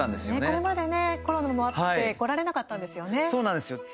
これまでねコロナもあって来られなかったんですよね。